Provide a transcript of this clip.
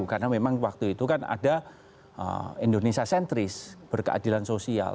karena memang waktu itu kan ada indonesia sentris berkeadilan sosial